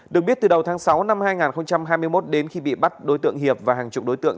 được biết từ đầu tháng sáu năm hai nghìn hai mươi một đến khi bị bắt đối tượng hiệp và hàng chục đối tượng